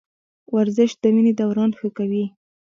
ورزش د وینې دوران ښه کوي.